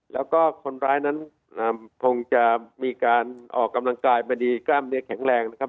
แล้วก็คนร้ายนั้นคงจะมีการออกกำลังกายมาดีกล้ามเนื้อแข็งแรงนะครับ